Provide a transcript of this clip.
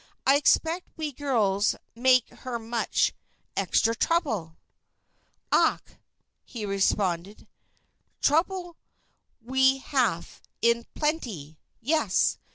"I expect we girls make her much extra trouble." "Ach!" he responded. "Trouble we haf in blenty yes.